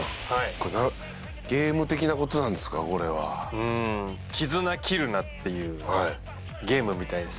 これゲーム的なことなんですかこれはうーんキズナキルナっていうゲームみたいです